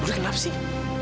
budi kenapa sih